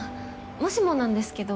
もしもなんですけど。